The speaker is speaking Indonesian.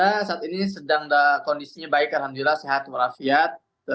kita saat ini sedang kondisinya baik alhamdulillah sehat warafiat